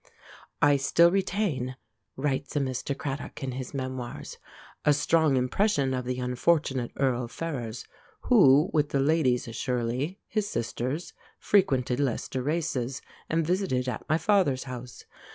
"I still retain," writes a Mr Cradock in his "Memoirs," "a strong impression of the unfortunate Earl Ferrers, who, with the Ladies Shirley, his sisters, frequented Leicester races, and visited at my father's house.